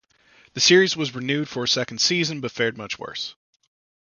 The series was renewed for a second season but fared much worse.